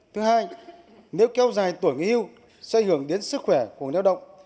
thứ hai nếu kéo dài tuổi nghỉ hưu sẽ ảnh hưởng đến sức khỏe của người lao động